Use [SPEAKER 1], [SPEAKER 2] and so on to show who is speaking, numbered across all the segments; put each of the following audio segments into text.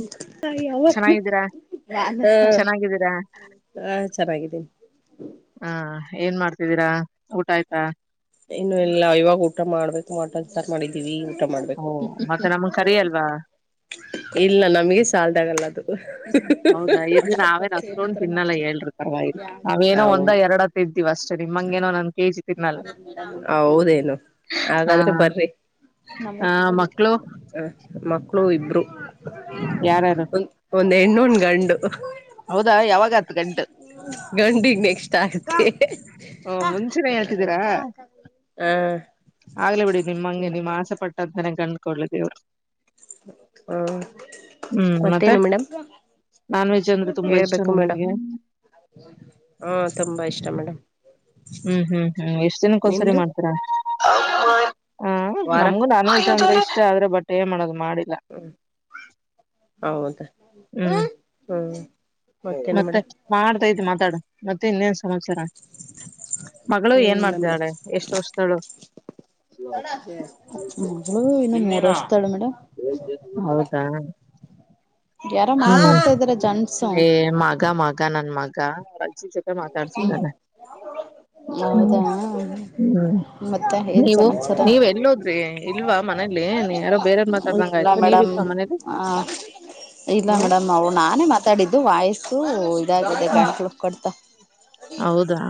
[SPEAKER 1] ಹ ಅವ
[SPEAKER 2] ಚೆನ್ನಾಗಿದ್ದೀರಾ
[SPEAKER 1] [unintelligible] ಹಾ
[SPEAKER 2] ಚೆನ್ನಾಗಿದ್ದೀರಾ
[SPEAKER 1] ಹಾ ಚೆನ್ನಾಗಿದ್ದೀನಿ.
[SPEAKER 2] ಹಾ ಏನ್ ಮಾಡ್ತಿದ್ದೀರಾ ಊಟ ಆಯ್ತಾ.
[SPEAKER 1] ಇನ್ನು ಎಲ್ಲ ಇವಾಗ ಊಟ ಮಾಡ್ಬೇಕು ಮಟನ್ ಸಾರ್ ಮಾಡಿದೀವಿ. ಊಟ
[SPEAKER 2] ಓ
[SPEAKER 1] ಮಾಡ್ಬೇಕು
[SPEAKER 2] ಮತ್ತೆ ನಮಗ್ ಕರಿ ಅಲ್ವಾ
[SPEAKER 1] ಇಲ್ಲ ನಮ್ಗೆ ಸಾಲದಾಗಲ್ಲ ಅದು.
[SPEAKER 2] ಹೌದಾ ಇಲ್ಲಿ ನಾವೇನ್ ಅಷ್ಟೊಂದು ತಿನ್ನಲ್ಲ ಹೇಳ್ರಿ ಪರ್ವಾಗಿಲ್ಲ ನಾವೇನೋ ಒಂದ
[SPEAKER 1] ಹೌದು
[SPEAKER 2] ಎರಡ ತಿಂತೀವಿ. ಅಷ್ಟೇ ನಿಮ್ಮಂಗನೋ ನಾ ಒಂದ ಕೆಜಿ ತಿನ್ನಲ್ಲ.
[SPEAKER 1] ಹೌದೇನು
[SPEAKER 2] ಹ
[SPEAKER 1] ಹಾಗಾದ್ರೆ ಬರ್ರಿ.
[SPEAKER 2] ಆ ಮಕ್ಳು
[SPEAKER 1] [unintelligible] ಮಕ್ಳು ಇಬ್ರು.
[SPEAKER 2] ಯಾರಾರು.
[SPEAKER 1] ನೇಣ್ಣೊನ್ ಗಂಡು.
[SPEAKER 2] ಹೌದಾ ಯಾವಾಗ ಹತ್ತು ಆತ ಗಂಟ.
[SPEAKER 1] ಗಂಡಿ ಈಗ ನೆಕ್ಸ್ಟ್ ಆಗ
[SPEAKER 2] ಹ್ಮ
[SPEAKER 1] ಹ
[SPEAKER 2] ಮುಂಚೆನೆ ಹೇಳ್ತಿದ್ದೀರಾ
[SPEAKER 1] ಹ.
[SPEAKER 2] ಆಗ್ಲಿ ಬಿಡಿ ನಿಮ್ಮ ಹಂಗೆ ನಿಮ್ ಆಸೆ ಪಟ್ಟಂತನೆ ಕಂಡ್ಕೊಡ್ಲಿ ದೇವ್ರು.
[SPEAKER 1] ಹ್ಮ ಮತ್ತೇನು ಮೇಡಮ್.
[SPEAKER 2] ನಾನು ನಿಜವಾಗ್ಲೂ ತುಂಬಾ ಇಷ್ಟ
[SPEAKER 1] ಹೇಳ್ಬೇಕು ಮೇಡಮ್
[SPEAKER 2] ನಿಮಗೆ
[SPEAKER 1] ಹಾ ತುಂಬಾ ಇಷ್ಟ ಮೇಡಮ್
[SPEAKER 2] ಹ್ಮ್ ಹ್ಮ್ ಹ್ಮ್ ಎಷ್ಟ ದಿನಕ್ಕ ಒಂದ್ಸರಿ
[SPEAKER 1] ನಿಮ್ದು
[SPEAKER 2] ಮಾಡ್ತೀರಾ. ಹ್ಮ್
[SPEAKER 1] ವಾರ
[SPEAKER 2] ನಮ್ಗೂ ನಾನ್ ವೆಜ್ ಅಂದ್ರೆ ಇಷ್ಟ ಆದ್ರೆ ಬಟ್ ಏನ್ ಮಾಡೋದು- ಮಾಡಿಲ್ಲ
[SPEAKER 1] ಹ್ಮ್ ಹೌದ ಹ್ಮ್. ಮತ್ತೇನ
[SPEAKER 2] ಮತ್ತೆ
[SPEAKER 1] ಮೇಡಮ್
[SPEAKER 2] ಮಾಡತೈತ್ ಮಾತಾಡ ಮತ್ತೆ ಇನ್ನೇನ್ ಸಮಾಚಾರ. ಮಗಳು ಏನ್ ಮಾಡ್ತಿದಾರೆ ಎಷ್ಟು ವರ್ಷದವಳು.
[SPEAKER 1] ಮೊದಲು ಇನ್ನೊಮ್ಮೆ -
[SPEAKER 2] ಹೌದಾ.
[SPEAKER 1] ಯಾರೋ
[SPEAKER 2] ಹ್ಮ್
[SPEAKER 1] ಮಾತಾಡ್ತಾ ಇದಾರೆ ಜನ್ಸು
[SPEAKER 2] ಏ ಮಗ ಮಗ ನನ್ ಮಗ. [inaudible]
[SPEAKER 1] ಹ್ಮ್
[SPEAKER 2] ಮಾತಾಡಿಸಿದ್ದಾನೆ. ಹ್ಮ್
[SPEAKER 1] ಹೌದಾ
[SPEAKER 2] ಹ್ಮ್
[SPEAKER 1] ಮತ್ತೆ ಏನ್
[SPEAKER 2] ನೀವು
[SPEAKER 1] ಸಮಾಚಾರ
[SPEAKER 2] ನೀವ ಎಲ್ಲಿಹೋದ್ರಿ ಇಲ್ವಾ ಮನೇ ಯಲ್ಲಿ ನೀ ಯಾರೋ ಬೇರೆನ್ ಮಾತಾಡ್ದಂಗ
[SPEAKER 1] ಇಲ್ಲ
[SPEAKER 2] ಆಯ್ತು ನೀ
[SPEAKER 1] ಮೇಡಮ್
[SPEAKER 2] ಇತ್ತುವಾ ಮನೇಲಿ-
[SPEAKER 1] ಆ ಇಲ್ಲ
[SPEAKER 2] ಹ್ಮ್
[SPEAKER 1] ಮೇಡಮ್ ಅವು ನಾನೇ ಮಾತಾಡಿದ್ದು ವಾಯ್ಸು ಇದಾಗಿದೆ
[SPEAKER 2] ಹ್ಮ್
[SPEAKER 1] ಗಂಟ್ಲು ಕಡ್ತ -
[SPEAKER 2] ಹೌದಾ.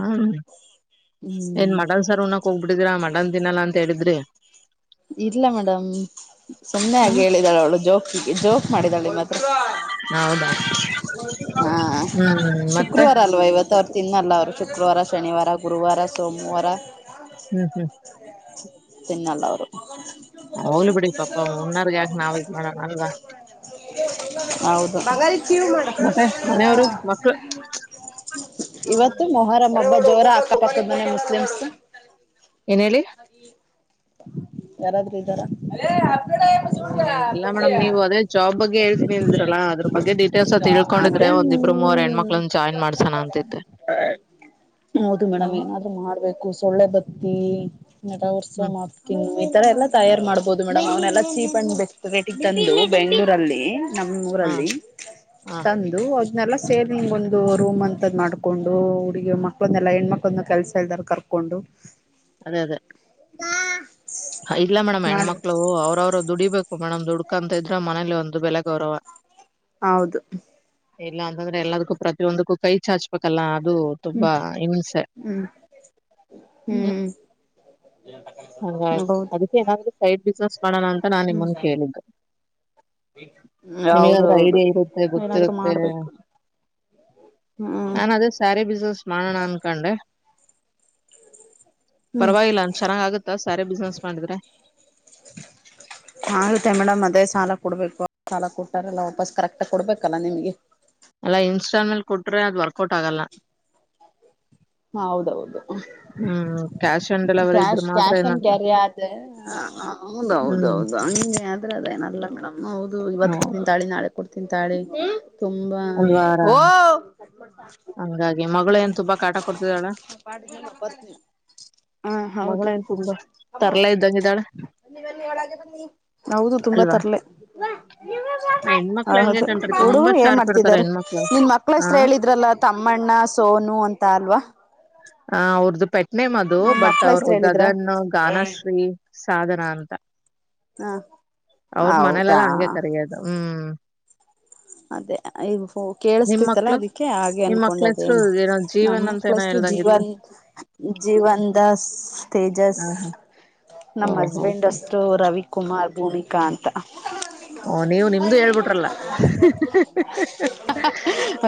[SPEAKER 2] ಏನ್
[SPEAKER 1] ಹ್ಮ್
[SPEAKER 2] ಮಟನ್ ಸಾರ್ ಉಣ್ಣಾಕ ಹೋಗ್ಬಿಟ್ಟಿದ್ರ ಮಟನ್ ತಿನ್ನಲ್ಲ ಅಂತ ಹೇಳಿದ್ರಿ.
[SPEAKER 1] ಇಲ್ಲ ಮೇಡಂ ಸುಮ್ಮನೆ ಹಾಗೆ ಹೇಳಿದಾಳ ಅವಳು ಜೋಕಿಗೆ ಜೋಕ್ ಮಾಡಿದಾಳೆ ಮತ್ತೆ.
[SPEAKER 2] ಹೌದಾ
[SPEAKER 1] ಹಾ
[SPEAKER 2] ಹ್ಮ್ ಮತ್ತೆ
[SPEAKER 1] ಶುಕ್ರವಾರ ಅಲ್ವಾ ಇವತ್ತು - ತಿನ್ನಲ್ಲ ಅವರು ಶುಕ್ರವಾರ ಶನಿವಾರ ಗುರುವಾರ ಸೋಮವಾರ.
[SPEAKER 2] ಹ್ಮ್ ಹ್ಮ್.
[SPEAKER 1] ತಿನ್ನಲ್ಲ ಅವರು.
[SPEAKER 2] ಹೋಗ್ಲಿ ಬಿಡಿ ಪಾಪ ಉಣ್ಣಾವರಿಗೆ ಯಾಕ ನಾವು ಇದ ಮಾಡೋಣ ಅಲ್ವಾ?
[SPEAKER 1] [inaudible] ಮೇಡಂ.
[SPEAKER 2] ಮತ್ತೆ ಮನೆಯವರು ಮಕ್ಳು
[SPEAKER 1] ಇವತ್ತು ಮೊಹರಂ ಹಬ್ಬ ಜೋರ ಅಕ್ಕಪಕ್ಕದ ಮನೆ ಮುಸ್ಲಿಂಸು.
[SPEAKER 2] ಏನ ಹೇಳಿ.
[SPEAKER 1] ಯಾರಾದ್ರೂ ಇದ್ದಾರ..
[SPEAKER 2] ಹ ಇಲ್ಲ ಮೇಡಮ್ ನೀವು ಅದೇ ಜಾಬ್ ಬಗ್ಗೆ ಹೇಳ್ತೀನಿದ್ರಲ್ಲಾ ಅದ್ರ ಬಗ್ಗೆ ಡೀಟೇಲ್ಸ್ ಅ
[SPEAKER 1] ಅದೇ
[SPEAKER 2] ತಿಳ್ಕೊಂಡಿದ್ರೆ.. ಒಂದ ಇಬ್ರು ಮೂವರು ಹೆಣ್ಮಕ್ಳನ್ನ
[SPEAKER 1] ಹ್ಮ್
[SPEAKER 2] ಜಾಯ್ನ್ ಮಾಡ್ಸಣ ಅಂತಿದ್ದೆ..
[SPEAKER 1] ಹೌದು ಮೇಡಮ್
[SPEAKER 2] ಹ್ಮ್
[SPEAKER 1] ಏನಾದ್ರು ಮಾಡ್ಬೇಕು ಸೊಳ್ಳೆ ಬತ್ತಿ ನಟ ಉತ್ಸವ
[SPEAKER 2] ಹ್ಮ್
[SPEAKER 1] ಮಾಡ್.. ಈ ತರ ಎಲ್ಲ ತಯಾರಾರ್ ಮಾಡ್ಬಹುದು ಮೇಡಮ್ ಅವನ್ನಲ್ಲಾ ಚೀಪ್ ಅಂಡ್ ಬೆಸ್ಟ್ ರೇಟ ತಂದು ಬೆಂಗ್ಳೂರಲ್ಲಿ.. ನಮ್ಮ
[SPEAKER 2] ಹ
[SPEAKER 1] ಊರಲ್ಲಿ
[SPEAKER 2] ಹ
[SPEAKER 1] ತಂದು.. ಎಲ್ಲಾ ಸೇರಿಲಿಂಗ ಒಂದು ರೂಮ್ ಅಂತದ್ ಮಾಡ್ಕೊಂಡು ಹುಡುಗ ಮಳೊಂದೆಲ್ಲ ಹೆಣ್ಣ್ಮಕ್ಳಂದ ಕೆಲಸ ಎಲ್ದ ಕರ್ಕೊಂಡು.. ಕೊಂಡು..
[SPEAKER 2] ಅದೇ ಅದೇ.
[SPEAKER 1] ಹಾ..
[SPEAKER 2] ಇಲ್ಲ ಮೇಡಮ್ ಹೆಣ್ಮಕ್ಳು ಅವ್ರವ್ರು ದುಡಿಬೇಕು.. ಒ ಮೇಣಮ್ ದುುಡ್ಕ ಅಂತ ಇದ್ರೆ ಮನೇಲಿ ಒಂದು ಬೆಲೆ ಗೌರವ..
[SPEAKER 1] ಹೌದು..
[SPEAKER 2] ಇಲ್ಲಾಂತಂದ್ರೆ ಎಲ್ಲದಕ್ಕೂ ಪ್ರತಿಯೊಂದಕ್ಕೂ ಕೈ ಚಾಚ್.. ಇಪಕಲ್ಲ ಅದು ತುಂಬಾ
[SPEAKER 1] ಹ್ಮ್
[SPEAKER 2] ಹಿಂಸೆ.
[SPEAKER 1] ಹ್ಮ್
[SPEAKER 2] ಹ್ಮ
[SPEAKER 1] ಹ್ಮ್
[SPEAKER 2] ಹಾಗ
[SPEAKER 1] ಹೌದು
[SPEAKER 2] ಅದಕ್ಕೆನ ಸೈಡ್ಸಿನಸ್.. ಮಾಡೋಣ ಅಂತ ನಾನನ್ ನಿಮ್ಮನ್ ಕೇಳಿದ್ದು.. ನಿಮಗಾದ್ರೆ
[SPEAKER 1] ಹೌದೌದು
[SPEAKER 2] ಐಡಿಯಾ ಇರುತ್ತೆ
[SPEAKER 1] ಏನಾದ್ರು
[SPEAKER 2] ಗೊತ್ತಿರುತ್ತೆ..
[SPEAKER 1] ಮಾಡ್ಬೇಕು ಹ್ಮ್
[SPEAKER 2] ನಾನ್ ಅದೇ ಸ್ಯಾರಿ ಬಿಸ್ನೆಸ್ ಮಾಡೋಣ ಅನ್ಕೊಂಡೆ..
[SPEAKER 1] ಹ್ಮ್
[SPEAKER 2] ಪರವಾಗಿಲ್ಲ ಚೆನ್ನಾಗ್ ಆಗುತ್ತಾ ಸ್ಯ ಬಿಸ್ನೆಸ್.. ಮಾಡಿದ್ರೆ
[SPEAKER 1] ಆಗುತ್ತೆ ಮೇಡಮ್ ಅದೇ ಸಾಲ ಕೊಡ್ಬೇಕು.. ಸಾಲ ಕೊಟ್ಟಾರಲ್ಲ ವಾಪಸ್ ಕರೆಕ್ಟ್ ಕೊಡ್ಬೇಕಲ್ಲ ನಿಮ್ಗೆ..
[SPEAKER 2] ಅಲ್ಲ ಇನ್ಸ್ಟಾಲ್ಮೆಂಟ್ ಕೊಟ್ರೆ ಅದು ವರ್ಕೌಟ್ ಆಗಲ್ಲ..
[SPEAKER 1] ಹ ಹೌದೌದು..
[SPEAKER 2] ಹ್ಮ್ ಕ್ಯಾಶ್ ಆನ್ ಡೆಲಿವರಿ ಇದ್ರೆ
[SPEAKER 1] ಕ್ಯಾಶ್
[SPEAKER 2] ಮಾತ್ರ
[SPEAKER 1] ಕ್ಯಾಶ್ ಅನ್
[SPEAKER 2] ಏನಾದ್ರು
[SPEAKER 1] ಕ್ಯರಿ ಆ
[SPEAKER 2] ಹ್ಮ್
[SPEAKER 1] ಹೌದೌದೌದು.. ಅ್ರದೇನಲ್ಲ ಮೇಡಮ್ ನ ಹೌದು ಇವತ್ತು
[SPEAKER 2] ಹೌದು
[SPEAKER 1] ಕೊಡ್ತನ್ ತಾಳಿ ನಾಳೆ ಕು ಕೊಡ್ತಿನ್ ತಾಳಿ.. ತುಂಬಾ
[SPEAKER 2] ಒಂದ್ ವಾರ
[SPEAKER 1] ಓ..
[SPEAKER 2] ಹಂಗಾಗಿ ಮಗಳು
[SPEAKER 1] ಹ್ಮ್
[SPEAKER 2] ಏನ್ ತುಂಬಾ.. ಕೊಡ್ತಿದಾಳ
[SPEAKER 1] ಹ ಪಾಡು ಪತ್ನಿ.. ಹಾ ಹೌದು
[SPEAKER 2] ಮಗಳೇನ್ ತುಂಬಾ ತರ್ಲಾ ಇದ್ದಂಗಿದ್ದಾಳೆ
[SPEAKER 1] ಹೌ.. ತುಂಬಾ
[SPEAKER 2] ಅಲ್ವಾ
[SPEAKER 1] ತರ್
[SPEAKER 2] ಹೆಣ್ಮಕ್ಳು
[SPEAKER 1] ಹೌದು
[SPEAKER 2] ಹಂಗೆ ಕಣ್ರಿ ತುಂಬಾ
[SPEAKER 1] ಹುಡುಗ ಏನ್
[SPEAKER 2] ಶಾರ್ಪ್ ಇರ್ತಾರೆ
[SPEAKER 1] ಮಾಡ್ತಿದ್ದಾರೆ
[SPEAKER 2] ಹೆಣ್ಮಕ್ಳು
[SPEAKER 1] ನಿ ಮ.. ಮಳ
[SPEAKER 2] ಆ
[SPEAKER 1] ಹೆಸತ್ರ ಹೇಳಿದ್ರಲ್ಲ ತಮ್ಮಣ್ಣ ಸೋನು ಅಂತ ಅಲ್ವಾ..
[SPEAKER 2] ಆ ಅವ್ರ್ದು ಪೆಟ್ನೆ ಮದು
[SPEAKER 1] ನಿಮ್
[SPEAKER 2] ಬಟ್
[SPEAKER 1] ಮಕ್ಳ
[SPEAKER 2] ಅವ್ರ
[SPEAKER 1] ಹೆಸ್ರು ಹೇಳಿದ್ರ
[SPEAKER 2] ಗಗನ್ ಗಾನಶ್ರೀ.. ಸಾಧನ ಅಂತ..
[SPEAKER 1] ಹ
[SPEAKER 2] ಅವ್ರ
[SPEAKER 1] ಹೌದಾ
[SPEAKER 2] ಮನೇಲೆಲ್ಲ ಹಂಗೆ ಕರಿಯೋದು ಹ್ಮ್..
[SPEAKER 1] ಅದೇ ಈ
[SPEAKER 2] ನಿಮ್
[SPEAKER 1] ಕೇಳಿಸತಿತ್ತಲ್ಲಾ
[SPEAKER 2] ಮಕ್ಳು
[SPEAKER 1] ಅದಕ್ಕೆ ಹಾಗೆ
[SPEAKER 2] ನಿಮ್ ಮಕ್ಳ ಹೆಸರು
[SPEAKER 1] ಅನ್ಕೊಂಡೆದೇನು
[SPEAKER 2] ಏನೋ
[SPEAKER 1] ನಮ್ಮ
[SPEAKER 2] ಜೀವನ್ ಅಂತ ಏನೋ
[SPEAKER 1] ಮಕ್ಕಳಷ್ಟು ಜೀವ..
[SPEAKER 2] ಹೇಳ್ದಂಗಿತ್ತು
[SPEAKER 1] ಜೀವನ್ ದಾಸ್ ತೇಜಸ್..
[SPEAKER 2] ಹ ಓ
[SPEAKER 1] ನಮ್
[SPEAKER 2] ಹೋ
[SPEAKER 1] ಹಸ್ಬೆಂಡ್
[SPEAKER 2] ಹೋ
[SPEAKER 1] ಅಷ್ಟು ರವಿಕುಮಾರ್ ಭೂಮಿಕಾ ಅಂತ..
[SPEAKER 2] ಓ ನೀವು ನಿಮ್ದು ಹೇಳ್ಬಿಟ್ರಲ್ಲ..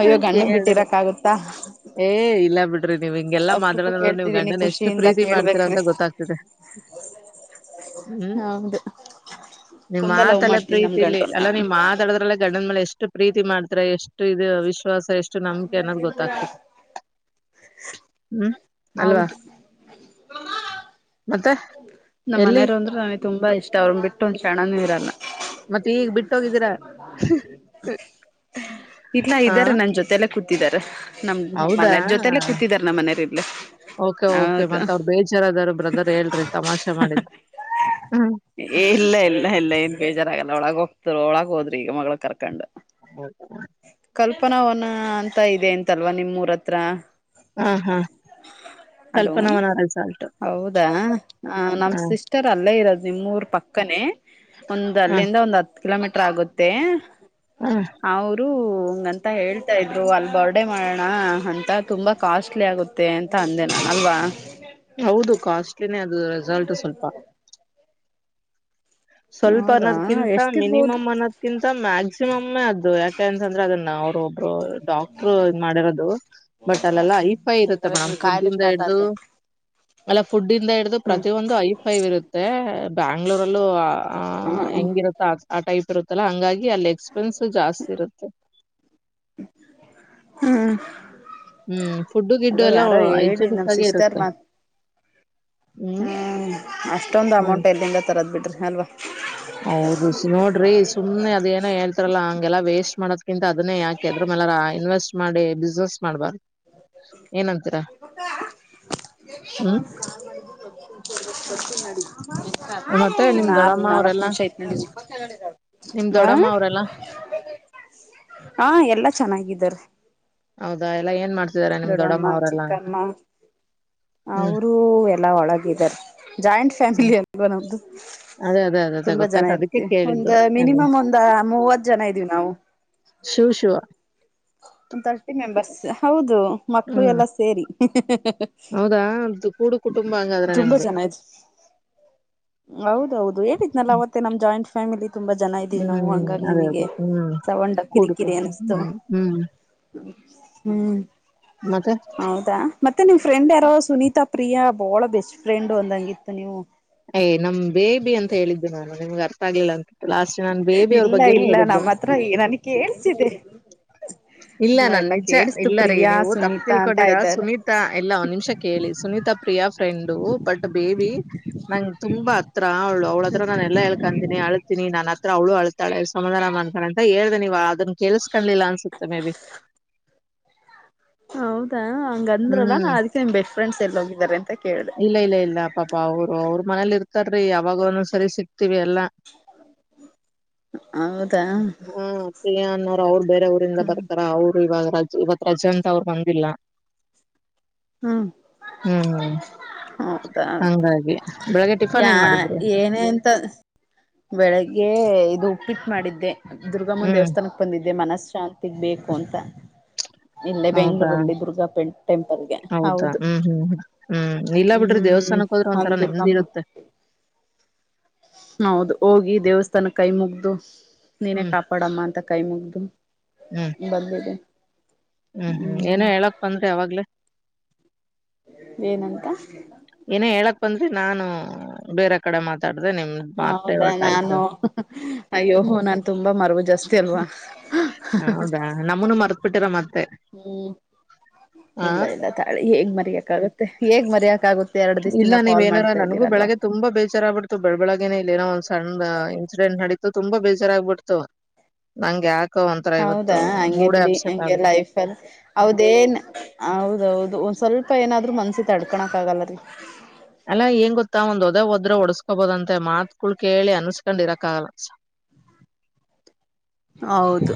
[SPEAKER 1] ಅಯ್ಯೋ ಗಂಡನ್
[SPEAKER 2] ಹಿದ್ರೆ
[SPEAKER 1] ಬಿಟ್ಟಿರಕ್ ಆಗುತ್ತಾ
[SPEAKER 2] ಏ ಇಲ್ಲ ಬಿಟ್ಟ.. [inaudible] ನೋಡ್ರಿ ನೀವ್ ಹಿಂಗೆಲ್ಲಾ
[SPEAKER 1] ಅಪರೂಪ
[SPEAKER 2] ಮಾದಡ ನೋಡ ನೀವ್
[SPEAKER 1] ಕೇಳ್ತಿದ್ದೀನಿ
[SPEAKER 2] ಗಂಡನ್ ಎಷ್ಟು
[SPEAKER 1] ಖುಷಿಯಿಂದ
[SPEAKER 2] ಪ್ರೀತಿ ಮಾಡ್ತೀರಾ
[SPEAKER 1] ಕೇಳ್ಬೇಕ್ರಿ
[SPEAKER 2] ಅಂತ ಗೊತ್ತಾಗ್ತಿದೆ... [inaudible] ಹ್ಮ್
[SPEAKER 1] ಹೌದು
[SPEAKER 2] ನಿಮ್ಮ
[SPEAKER 1] ತುಂಬಾ ಲವ್
[SPEAKER 2] ಮಾತಲ್ಲ.. [inaudible]
[SPEAKER 1] ಮಾಡ್ತೀನಿ ನಮ್
[SPEAKER 2] ಪ್ರೀತಿ ಇಲ್ಲಿ
[SPEAKER 1] ಗಂಟನ್
[SPEAKER 2] ಅಲ್ಲಾ
[SPEAKER 1] ನಾನು
[SPEAKER 2] ನೀವು ಮಾತಾಡದ್ರಲ್ಲ ಗಂಡದ ಮಳೆ ಎಷ್ಟು ಪ್ರೀತಿ ಮಾಡ್ತಾರೆ ಎಷ್ಟು ಇದುಶ.. [inaudible] ವಿಶ್ವಾಸ ಎಷ್ಟು ನಮಿಕೆ ಏನಾದ್ ಗೊತ್ತಾಗ್ತದೆ ಹ್ಮ್.. [inaudible]
[SPEAKER 1] ಹೌದು.. [inaudible]
[SPEAKER 2] ಮತ್ತೆ
[SPEAKER 1] ನಮ್ಮ್
[SPEAKER 2] ಎಲ್ಲಿ
[SPEAKER 1] ಮನೆಯರು ಅಂದ್ರರು ನನಗೆ ತುಂಬಾ ಇಷ್ಟ ಅವ್ರನ್ನ ಬಿಟ್ಟು ಒಂದ್ ಕ್ಣನೂ ಇರಲ್ಲ.. [inaudible]
[SPEAKER 2] ಮತ್ತೆ ಈಗ ಬಿಟ್ಟೋಗಿದ್ದೀರಾ
[SPEAKER 1] [inaudible] ಇಲ್ಲ
[SPEAKER 2] ಹ
[SPEAKER 1] ಇದ್ದಾರೆ ನನ್ ಜೊತೆಲ್ಲ ಕೂತಿದ್ದಾರೆ ನಮ್ ನಮ್ಮ್
[SPEAKER 2] ಹೌದಾ
[SPEAKER 1] ಮನ ಜೊತೆಲ್ಲೇ ಕೂತಿದ್ದಾರೆ ನಮ್ಮ್ ಮನೆಯ....
[SPEAKER 2] ಓಕೆ ಓಕೆ ಮತ್ತತ್ ಅವ್ರು ಬೇಜಾರದರು ಬ್ರದರ್ ಹೇಳ... ತಮಾಷೆ ಮಾಡಿದ್ದ ಹ್ಮ.. [inaudible]
[SPEAKER 1] ಎಲ್ಲ ಅವಳ ಒಕ್ತರು ಅವಳಾ ಕೋದರಿ ಮಗಳ ಕರ ಕು.. [inaudible]
[SPEAKER 2] ಹೌ [inaudible]
[SPEAKER 1] ಪಪ್ಪನ ಅವನ ಅಂತ ಇದೆ ಎಂತಲ್ವಾ ನಿಮ್ೂರ ಹತ್ರ.
[SPEAKER 2] ಹ ಹಾ
[SPEAKER 1] ಹಲೋ
[SPEAKER 2] ಕಲ್ಪನಾವನ ರೆಸಾರ್ಟ್
[SPEAKER 1] ಹೌದಾ. ಆ ನಮ್
[SPEAKER 2] ಹ
[SPEAKER 1] ಸಿಸ್ಟರ್ ಅಲ್ಲೇ ಇರೋದು ಇ ಮೂೂರ್ ಪಕ್ಕನೆೇ ಒಂದ್
[SPEAKER 2] ಹ
[SPEAKER 1] ಅಲ್ಲಿಂದ ಒಂದ್ ಹತ್ತು. ಕಿಲೋಮೀಟರ್ ಆಗುತ್ತೆ
[SPEAKER 2] ಹ
[SPEAKER 1] ಅವರು. ಹಂಗ ಅಂತ ಹೇಳ್ತಾ ಇದ್ರು ಅಲ್ಲಿ ಬರ್ಡೆ ಮಾಡೋಣ ಅಂತ ತುಂಬಾ ಕಾಸ್ಟ್ಲಿ ಆಗುತ್ತೆ ಅಂತ ಅಂದೇನ. ಅಲ್ವಾ.
[SPEAKER 2] ಹೌದು ಕಾಸ್ಟ್ಲಿನೇ ಅದು ರಿಸಲ್ಟ್ ಸ್ವಲ್ಪ [inaudible] ಸ್ವಲ್ಪ
[SPEAKER 1] ಹೌದಾ
[SPEAKER 2] ಅನ್ನದ್ಕಿಂತ
[SPEAKER 1] ಎಷ್ಟಿರ್ಬೋದು
[SPEAKER 2] ಮಿನಿಮಮ್ ಅನ್ನದ್ಕಿಂತ. ಮ್ಯಾಕ್ಸಿಮಮೇ ಅದು ಯಾಕೆ ಅಂತಂದ್ರೆದನ್ನ ಅವ್ರ ಒಬ್ರು. ಡಾಕ್ಟ್ರು ಇದ್ ಮಾಡಿರೋದು ಬಟ್ ಅಲ್ಲೆಲ್ಲಾ ಐ ಫೈ ಇರುತ್ತೆ ಮೇಡಮ್ ಫುಡ್
[SPEAKER 1] ಕಾಯಿಲೆ
[SPEAKER 2] ಇಂದ
[SPEAKER 1] ಸ್ಟಾರ್ಟ್
[SPEAKER 2] ಹಿಡ್ದು.
[SPEAKER 1] ಆತೆ
[SPEAKER 2] ಅಲ್ಲ ಫುಡ್ ಇಂದ ಹಿಡಿದು ಪ್ರತಿಯೊಂದು ಐಫೈವ್ ಇರುತ್ತೆ ಬೆಂಗಳೂರಲ್ಲೂ. ಆ
[SPEAKER 1] ಹ್ಮ್
[SPEAKER 2] ಹೆಂಗಿರುತ್ತ ಆ ಟೈಪ್ ಇರುತ್ತಲ್ಲ ಹಂಗಾಗಿ ಅಲ್ಲಿ ಎಕ್ಸ್ಪೆನ್ಸ್ ಜಾಸ್ತಿ ಇರುತ್ತೆ.
[SPEAKER 1] ಹ್ಮ್
[SPEAKER 2] ಹ್ಮ್ ಫುಡ್ಡು ಗಿಡ್ಡು
[SPEAKER 1] ಅಲ್ಲ
[SPEAKER 2] ಎಲ್ಲ
[SPEAKER 1] ಯಾರೋ ಹೇಳಿ
[SPEAKER 2] ಹೈಜೆನಿಕ್
[SPEAKER 1] ನಮ
[SPEAKER 2] ಆಗೇ
[SPEAKER 1] ಸಿಸ್ಟರ್
[SPEAKER 2] ಇರುತ್ತೆ
[SPEAKER 1] ಮಾತ್. ಹ್ಮ್ ಅಷ್ಟೊಂದ್ ಅಮೌಂಟ್ ಎಲ್ದಂದ ತರೋದ್ ಬಿಡ್ರಿ ಅಲ್ವಾ.
[SPEAKER 2] ಅವರು ನೋಡ್ರಿ ಸುಮ್ನೆ ಅದೇಏನ ಹೇಳ್ತಾರಲ್ಲಾ ಹಂಗೆಲ್ಲ ವೇಸ್ಟ್ ಮಾಡದಕಿಂತ ಅದನ್ನೇ ಯಾಕದ್ರ. ಇನ್ವೆಸ್ಟ್ ಮಾಡಿ ಬಿಸ್ನೆಸ್ ಮಾಡ್ಬಾರ. ಏನಂತೀರಾ ಹ್ಮ್. ಮತ್ತೆ ನಿಮ್
[SPEAKER 1] ನ
[SPEAKER 2] ದೊಡಮ್ಮ
[SPEAKER 1] ನಾಲ್ಕ್ು
[SPEAKER 2] ಅವ್ರೆಲ್ಲಾ
[SPEAKER 1] ನಿಮಿಷ ಐತ.
[SPEAKER 2] ನಿಮ್ ದೊಡ್ಡಮ್ಮ ಅವ್ರಲ್ಲ.
[SPEAKER 1] ಹಾ ಎಲ್ಲಾ ಚೆನ್ನಾಗಿದ್ದಾರೆ.
[SPEAKER 2] ಹೌದಾ ಎಲ್ಲ ಏನ್ ಮಾಡ್ತ.
[SPEAKER 1] ದೊಡಮ್ಮ ಚಿಕ್ಕಮ್ಮ
[SPEAKER 2] ಹ್ಮ್
[SPEAKER 1] ಅವರುೂ ಎಲ್ಲಾ ಒಳಗಾರ. ಜಾಯಿಂಟ್
[SPEAKER 2] ಹ್ಮ್
[SPEAKER 1] ಫ್ಯಾಮಿಲಿ ಅಲ್ವಾ ನಮ್ದು.
[SPEAKER 2] ಅದೇ ಅದೇ ಅದೇ ಅದೇ
[SPEAKER 1] ತುಂಬಾ ಜನ
[SPEAKER 2] ಗೊತ್ತಾಯ್ತು ಅದಕ್ಕೆ
[SPEAKER 1] ಇರ್ತಿವಿ ಒಂದ
[SPEAKER 2] ಕೇಳಿದ್ದು ಎಲ್ಲ
[SPEAKER 1] ಮಿನಿಮಮ್ ಒಂದ ಮೂವತ್ ಜನ ಇದೀವಿ ನಾವು.
[SPEAKER 2] ಶಿವ ಶಿವ.
[SPEAKER 1] ಒ ತರ್ಟಿ ಮೆಂಬರ್ಸ್ ಹೌದು ಮಕ್ಕಳು
[SPEAKER 2] ಹ್ಮ್
[SPEAKER 1] ಎಲ್ಲಾ ಸೇರಿ.
[SPEAKER 2] ಹೌದಾ ಅದು ಕೂಡು ಕುಟುಂಬ ಹಂಗಾದ್ರೆ
[SPEAKER 1] ತುಂಬಾ
[SPEAKER 2] ನಿಮ್ದು
[SPEAKER 1] ಚೆನ ಇದು. ಹೌದೌದು ಹೇಳಿದ್ನಲ್ಲ ಅವತ್ತೆ ನಮ ಜಾಯಿಂಟ್. ಫ್ಯಾಮಿಲಿ ತುಂಬಾ ಜನ ಇದ್ದೀವಿ ನಾವು
[SPEAKER 2] ಹ್ಮ್
[SPEAKER 1] ಹಂಗಾಗಿ್
[SPEAKER 2] ಅದೇ
[SPEAKER 1] ನಿಮಗೆ
[SPEAKER 2] ಅದೇ ಹ್ಮ್
[SPEAKER 1] ಸವೊಂಡ
[SPEAKER 2] ಕೂಡು
[SPEAKER 1] ಕಿರಿಕಿರಿ
[SPEAKER 2] ಕುಟುಂಬ
[SPEAKER 1] ಅನ್ನಿಸ್ತು.
[SPEAKER 2] ಹ್ಮ್ ಹ್ಮ್
[SPEAKER 1] ಹ್ಮ್.
[SPEAKER 2] ಮತ್ತೆ
[SPEAKER 1] ಹೌದಾ ಮತ್ತೆ ನಿಮ್ ಫ್ರೆಂಡ್ ಯಾರೋ ಸುನೀತಾ ಪ್ರಿಯಾ ಬಹಳ ಬೆಸ್ಟ್ ಫ್ರೆಂಡ್ ಒಂದಂಗಿತ್ತು ನೀವು.
[SPEAKER 2] ಏ್ಮ್ ಬೇಬಿ ಅಂತ ಹೇಳಿದ್ದು ನಾನು ನಿಮ್ಗೆ ಅರ್ಥ ಆಗ್ಲಿಲ್ಲ ಅಂತ. ಲಾಸ್ಟ್ ನಾನ್ ಬೇಬಿ ಅವ್ರ
[SPEAKER 1] ಇಲ್ಲ
[SPEAKER 2] ಬಗ್ಗೆನೆೇ
[SPEAKER 1] ಇಲ್ಲ
[SPEAKER 2] ಹೇಳಿದ್ದೆ.
[SPEAKER 1] ನಮ್ಮ ಹತ್ರ ನನ ಕೇಳ್ಸಿದೆ
[SPEAKER 2] ಇಲ್ಲ ನಾನ್ ನಿಜ
[SPEAKER 1] ಕೇಳಿಸ್ತು
[SPEAKER 2] ಇಲ್ಲ ರೀ
[SPEAKER 1] ಪ್ರಿಯಾ
[SPEAKER 2] ನೀವು ತಪ್ಪು
[SPEAKER 1] ಸುನೀತಾ ಅಂತ
[SPEAKER 2] ತಿಳ್ಕೊಂಡಿರ
[SPEAKER 1] ಇದ್ದಾರೆ
[SPEAKER 2] ಸುನೀತಾ ಎಲ್ಲ ಒಂದ್ ನಿಮಿಷ ಕೇಳಿ Sunita Priya. Friend but baby ನಂಗೆ ತುಂಬಾ ಹತ್ರ ಅವಳು ಅವ್ಳ ಹತ್ರ ನಾನ ಎಲ್ಲಾ ಹೇಳ್ಕೀನಿ. ನೀ ಅಳ್ತೀಿನಿ ನನ್ ಹತ್ರ ಅವಳು ಅಳ್ತಾಳ ಸಮಧಾನ ಅತಳ ಅಂತ ಹೇಳ್ದೆ ನೀವ್ ಅದನ್ ಕೆಲ್ಸ್ಕಾಣ್ಿಲ್ಲ ಅನ್ಸುತ್ತೆ ಮೇ ಬಿ. [inaudible] [unintelligible]
[SPEAKER 1] ಹೌದಾ ಹಂಗ ಅಂದ್ರಲ್ಲ
[SPEAKER 2] ಹ್ಮ್
[SPEAKER 1] ನಾ ಅದಕ್ಕೆ ನಿಮ್ ಬೆಸ್ಟ್ ಫ್ರೆಂಡ್ಸ್ ಎಲ್ಲಿ ಹೋಗಿದಿದ್ದಾರೆ ಅಂತ ಕೇಳ್ದೆ
[SPEAKER 2] ಇಲ್ಲ ಇಲ್ಲ ಇಲ್ಲ ಪಪಾ ಅವರು ಅವ್ರ ಮನೇಲಿ ಇರ್ತ. ತರಿ ಯಾವಾಗನು ಸರಿ ಸಿಕ್ತಿೀವಿ ಎಲ್ಲಾ.
[SPEAKER 1] ಹೌದಾ
[SPEAKER 2] ಹಾ ಕ ಯನ್ನ [unintelligible] ಅವ್ರು ಬೇರೆ ಊರಿಂದ
[SPEAKER 1] ಹ್ಮ್
[SPEAKER 2] ಬರ್ತಾರ ಅವ್ರು ಇವಾಗ ರಜ ಇವತ್ ರಜೆ ಅಂತ ಅವ್ರು ಬಂದಿಲ್ಲ.
[SPEAKER 1] ಹ್ಮ್
[SPEAKER 2] ಹ್ಮ್್ಮ.
[SPEAKER 1] ಹೌದಾ
[SPEAKER 2] ಬೆಳಗ್ಗೆ ಟಿಫನ್
[SPEAKER 1] ಯಾ
[SPEAKER 2] ಏನ್ ಮಾಡಿದ್ರಿ
[SPEAKER 1] ಏನಂತ. ಬೆಳಿಗ್ಗೆ ಇದು ಉಪ್ಪಿಟ್ಟು ಮಾಡಿದ್ದೆ ದುರ್ಗಮ್ಮನ
[SPEAKER 2] ಹ್ಮ್
[SPEAKER 1] ದೇವಸ್ಥಾನಕ್ ಬಂದಿದ್ದೆ ಮನಸ್. ಶಾಂತಿಗ್ ಬೇಕು ಅಂತ. ಇಲ್ಲೇ
[SPEAKER 2] ಹೌದಾ
[SPEAKER 1] ಬೆಂಗಳೂರಲ್ಲಿ ದುರ್ಗಾ ಪ ಟೆಂಪಲ್ಗೆ
[SPEAKER 2] ಹೌದಾ
[SPEAKER 1] ಹೌದು
[SPEAKER 2] ಹ್ಮ್ ಹ್ಮ್ ಹ್ಮ್ ಇಲ್ಲ ಬಿಡ್ರಿ
[SPEAKER 1] ಹ್ಮ್. ಹ್ಮ್
[SPEAKER 2] ದೇವಸ್ಥಾನಕ್ ಹೋದ್ರೆ ಒಂಥರ ನೆಮ್ಮದಿ
[SPEAKER 1] ಹಲ್ದುರ್ಗಮ್ಮ
[SPEAKER 2] [unintelligible]
[SPEAKER 1] ಹೌ ಹೌದು ಹೋಗಿ ದೇವಸ್ಥಾನ ಕೈ ಮುಗ್ದು ನೀನೇ
[SPEAKER 2] ಹ್ಮ್
[SPEAKER 1] ಕಾಪಾಡಮ್ಮ ಅಂತ ಕೈ ಮುಗ್ದು
[SPEAKER 2] ಹ್ಮ್
[SPEAKER 1] ಬರ್ಬೇಡಿ
[SPEAKER 2] ಹ್ಮ್ ಹ್ಮ್ ಏನ ಹೇಳಕ್ ಬಂದ್ರಿ ಯಾವಾಗ್ಲೇ
[SPEAKER 1] ಏನಂತ
[SPEAKER 2] ಏನೇ ಹೇಳಕ್ ಬಂದ್ರೆ ನಾನು ಬೇರೆ ಕಡೆ ಮಾತಾಡ
[SPEAKER 1] ಹೌದಾ ನಾನು ಅಯ್ಯೋೋ ನನ್ ತುಂಬಾ ಮರಬು ಜಾಸ್ತಿ ಅಲ್ವಾ.
[SPEAKER 2] ಹೌದಾ ನಮನು ಮರ್ತ್ಬಿಟ್ಟಿರ ಮತ್ತೆ.
[SPEAKER 1] ಹ್ಮ್
[SPEAKER 2] ಆ
[SPEAKER 1] ಇಲ್ಲ ಇಲ್ಲ ತಾಳಿ ಹೇಗ್ ಮರಯಕ್ಾಗುತ್ತೆ ಹೇಗ್ ಮರಯಕ ಆಾಗುತ್ತೆ.
[SPEAKER 2] ಇಲ್ಲ ನೀವ ಏನಾರ ನನ್ಗೂ ಬೆಳಗ್ಗೆ ತುಂಬಾ ಬೇಜಾರಗ್ ಬಿಿಡ್ತೀವಿ. ಬೆಳಳ್ ಬೆಳಗ್ಗೇನೆ ಇಲ್ಲ ಏನೋ ಒಂದ್ ಸಣ್ಣ್ ಇನ್ಸಿಡೆಂಟ್ ನಡೀತು ತುಂಬಾ ಬೇಜಾರಗ್ಬಿಡ್ತು ನಂ ಯಾಕೆ.
[SPEAKER 1] ಹೌದಾ ಹಂಗೆ ಬಿಡಿ ಹಂಗೆ
[SPEAKER 2] ಆಗ್ಬಿಡ್ತು
[SPEAKER 1] ಲೈಫಲ್ಲಿ ಹೌದೇನ್ ಹೌದೌದು ಸ್ವಲ್ಪ ಏನಾದರೂ ಮನ್ಸಿ ತಡ್ಕೊಳಕ್ಕ ಆಾಗಲ್ಲ ರೀ [inaudible]
[SPEAKER 2] ಅಲ್ಲಾ ಏಂಗ ಗೊತ್ತಾ ಒಂದ್ ಒದ ಒದ್ರೆ ಒಡಸ್ಕೊಬೋದಂತೆ ಮಾತ್ಕಳ್ ಕೇಳಿ ಅನ್ಸ್ಕೊಂಡ್ ಇರಕ್ ಆಗಲ್ಲ [unintelligible]
[SPEAKER 1] ಹೌದು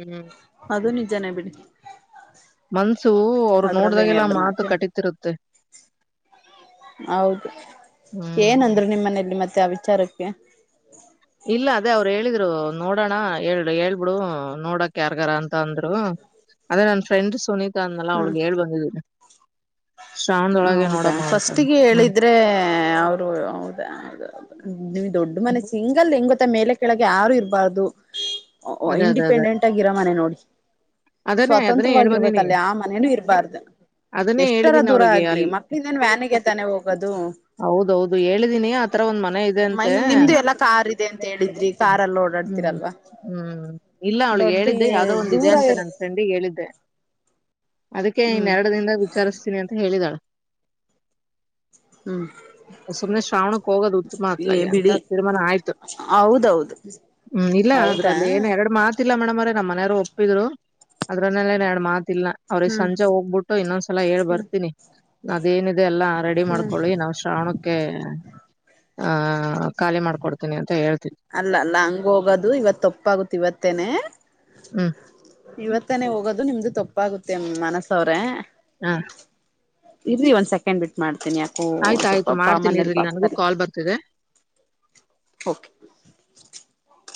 [SPEAKER 2] ಹ್ಮ್
[SPEAKER 1] ಅದು ನಿಜನ ಬಿಡ್ತ
[SPEAKER 2] ಮನ್ಸು ಅವ್ರು
[SPEAKER 1] ಅದ್ರಲ್ಲೇನ್
[SPEAKER 2] ನೋಡ್ದಾಗೆಲ್ಲ
[SPEAKER 1] ಎರಡು
[SPEAKER 2] ಮಾತು ಕಟ್ಟಿತಿರುತ್ತೆ
[SPEAKER 1] ಹೌದು
[SPEAKER 2] ಹ್ಮ್
[SPEAKER 1] ಏನಂದ್ರು ನಿಮ್ಮನೇೆಯಲ್ಲಿ ಮತ್ತೆ ಆ ವಿಚಾರಕ್ಕೆ
[SPEAKER 2] ಇಲ್ಲ ಅದೇ ಅವ್ರು ಹೇಳಿದ್ರು ನೋಡೋಣ ಹೇಳ ಹೇಳ್ಬಿಡು ನೋಡಕ ಯಾರ್ಗಾರ ಅಂತ ಅಂದ್ರು ಅದೇ ನನ್ ಫ್ರೆಂಡ್ ಸುನಿತಾ ಅನ್ನಲ್ಲ
[SPEAKER 1] ಹ್ಮ್
[SPEAKER 2] ಅವಳಗ್ ಹೇಳ್ ಬಂದಿದೀನಿ ಶ್ರಾವಣದೊಳಗೆ
[SPEAKER 1] ಹೌದಾ
[SPEAKER 2] ನೋಡಮ್ಮ ಅಂತ
[SPEAKER 1] ಫಸ್ಟ್ಿಗೆ
[SPEAKER 2] ಹ್ಮ್
[SPEAKER 1] ಹೇಳಿದ್ರೆ ಅವರು ಹೌದಾ್ದ. ದೊಡ್ಡು ಮನ ಸಿಂಗ್. ಈಗಲ್ ಹೆಂಗ ಗೊತ್ತ ಮೇಲೆ ಕೆಳಗೆ ಯಾರು ಇರಬಾರ್ದು
[SPEAKER 2] ಅದೇ ಅದೇ ಅದೇ
[SPEAKER 1] ಇಂಡಿಪೆಂಡೆಂಟ್ ಆಗಿ ಇರೋ ಮನೆ ನೋಡಿ.
[SPEAKER 2] ಅದನ್ನೇ ಅದನ್ನೇ ಹೇಳ್ ಬಂದಿನಿ
[SPEAKER 1] ಸ್ವತಂತ್ರವಾಗಿರ್ಬೇಕಲ್ಲೇ ಆ ಮನೇನುೂ ಇರಬಾರ್ದು
[SPEAKER 2] ಅದನ್ನೇ
[SPEAKER 1] ಎಷ್ಟರ
[SPEAKER 2] ಹೇಳಿದೀನಿ
[SPEAKER 1] ದೂರ.
[SPEAKER 2] ಅವಳಿಗೆ
[SPEAKER 1] ಆಲಿ
[SPEAKER 2] ಅಲ್ಲಿ
[SPEAKER 1] ಮಕ್ಳಿಂದೇನ್ ವ್ಯಾನಿಗೆ ತಾನೆ ಹೋಗೋದು.
[SPEAKER 2] ಹೌದೌದು ಹೇಳಿದೀನಿ ಆತರ ಒಂದ್ ಮನೆ ಇದೆ ಅಂತೆ
[SPEAKER 1] ಮೈನ್ ನಿಮ್ದು ಎಲ್ಲಾ ಕಾರ್ ಇದೆ ಅಂತ ಹೇಳಿದ್ರಿ ಕಾರಾರ್ಲ್ಲಿ ಓಡಾಡ್.
[SPEAKER 2] ಹ್ಮ್
[SPEAKER 1] ಹರಲ್ವ.
[SPEAKER 2] ಹ್ಮ್ ಇಲ್ಲ ಅವ್ಳಿಗೆ ಹೇಳಿದ್ದೆ ಯಾವವು್ದೋ ಒಂದು ಇದೆ
[SPEAKER 1] ದೂರ
[SPEAKER 2] ಅಂತೆ
[SPEAKER 1] ಇರ್
[SPEAKER 2] ನನ್ ಫ್ರೆಂಡ್. ಹೇಳಿದ್ದೆ ಅದಕ್ಕೆ
[SPEAKER 1] ಹ್ಮ್
[SPEAKER 2] ಇನ್ನೆರಡು ದಿಂದ ವಿಚಾರಿಸ್ತೀನಿ ಅಂತ ಹೇಳಿದಾಳೆ.
[SPEAKER 1] ಹ್ಮ್
[SPEAKER 2] ಸುಮ್ನೆ ಶ್ರಾವಣಕ್ಕೆ ಹೋಗೋದು ಉತ್ತಮ
[SPEAKER 1] ಏ
[SPEAKER 2] ಅತ್ಲಗೆ ಅಂತ
[SPEAKER 1] ಬಿಡಿ
[SPEAKER 2] ತೀರ್ಮಾನ ಆಯ್ತು
[SPEAKER 1] ಹೌದೌದು
[SPEAKER 2] ಹ್ಮ್ ಇಲ್ಲ
[SPEAKER 1] ಹೌದಾ
[SPEAKER 2] ಅದ್ರಲ್ಲಿ ಏನ್ ಎರಡು ಮಾತಿಲ್ಲ ಮೇಡಮ್ ಅವ್ರ ನಮ್ಮ ಮನೆಯಾರರು ಒಪ್ಪಿದ್ರು ಅದ್ರಲ್ಲ ಏನ್ ಎರಡು ಮಾತ್. ಲ್ಾ ಅವ್ರಿಗೆ
[SPEAKER 1] ಹ್ಮ್
[SPEAKER 2] ಸಂಜೆ ಹೋಗ್ಬಿಟ್ಟು ಇನ್ನೊಂದ್ಸಲ ಹೇಳ್ ಬರ್ತೀನಿ. ಅದೇನಿದೆ ಎಲ್ಲ ರೆಡಿ ಮಾಡ್ಕೊಳ್ಳಿ ನಾವ್ ಶ್ರಾವಣಕ್ಕೆ ಆಹ. ಖಿ ಮಾಡಕಡ್ತನಿ ಅಂತ.
[SPEAKER 1] ಅಲ್ಲ ಅಲ್ಲ ಹಂಗ ಹೋಗೋದು ಇವತ್ ತಪ್ಪಾಗುುತ್ತ ಇವತ್ತೇನೆ.
[SPEAKER 2] ಹ್ಮ್
[SPEAKER 1] ಇವತ್ತಾನೇ ಹೋಗೋದು ನಿಮ್ದು ತಪ್ಪಾಗುತ್ತೆ ಮನಸವ್ರೆ.
[SPEAKER 2] ಹ್ಮ.
[SPEAKER 1] ಇರಿ ಒಂದ್ ಸೆಕೆಂಡ್ ಬಿಟ್ಟ ಮಾಡ್ತೀನಿ ಯಾಕೋ
[SPEAKER 2] ಆಯ್ತ ಆಯ್ತು
[SPEAKER 1] ಸ್ವಲ್ಪ ಪ
[SPEAKER 2] ಮಾಡ್ತೀನಿ
[SPEAKER 1] ಮನಲ್
[SPEAKER 2] ಇರ್ರಿ ನನ್ಗೂ
[SPEAKER 1] ಬಾಕ್ತಾರಿ.
[SPEAKER 2] ಕಾಲ್ ಬರ್ತಿದೆ
[SPEAKER 1] ಕೆ. [inaudible]